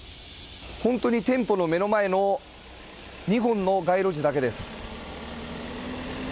本当に店舗の目の前の２本の街路樹だけです。